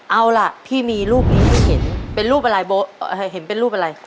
เอาล่ะพี่มีรูปนี้ให้เห็นเป็นรูปอะไรโบ๊ะเห็นเป็นรูปอะไร